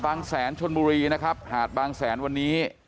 แสนชนบุรีนะครับหาดบางแสนวันนี้